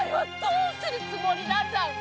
どうするつもりなんだよ。